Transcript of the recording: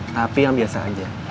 tapi yang biasa aja